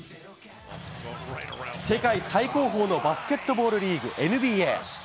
世界最高峰のバスケットボールリーグ・ＮＢＡ。